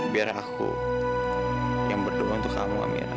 biar aku yang berdoa untuk kamu amirna